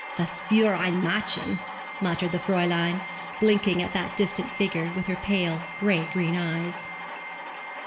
'Was für ein Mädchen.' muttered the Fräulein, blinking at that distant figure, with her pale gray green eyes.